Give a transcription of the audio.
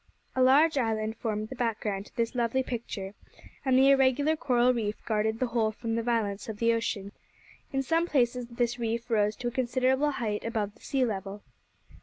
A large island formed the background to this lovely picture, and the irregular coral reef guarded the whole from the violence of the ocean. In some places this reef rose to a considerable height above the sea level.